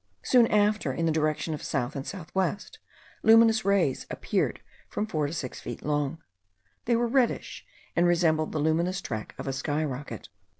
Soon after, in the direction of south and south west, luminous rays appeared from four to six feet long; they were reddish, and resembled the luminous track of a sky rocket.